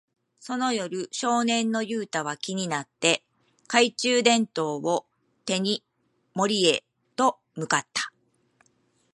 その夜、少年のユウタは気になって、懐中電灯を手に森へと向かった。